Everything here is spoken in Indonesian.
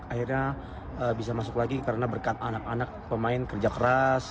akhirnya bisa masuk lagi karena berkat anak anak pemain kerja keras